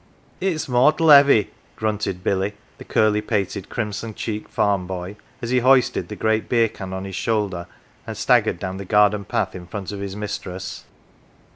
"It'smortareavy!" grunted Billy, the curly pated, crimson cheeked farm boy, as he hoisted the great beer can on his shoul der, and staggered down the garden path in front of his mis tress.